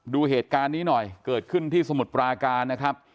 ดูเหตุการณ์นี้หน่อยเกิดขึ้นที่สมุทรปราการนะครับ